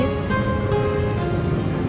itu bukan cuma urusan dua orang dit